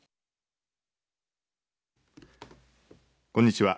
こんにちは。